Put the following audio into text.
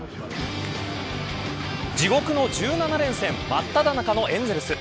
地獄の１７連戦まっただ中のエンゼルス。